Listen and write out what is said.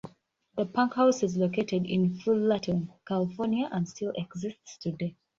The punk house is located in Fullerton, California and still exists today.